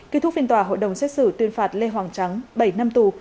kết thúc phiên tòa hội đồng xét xử tuyên phạt lê hoàng trắng bảy năm tù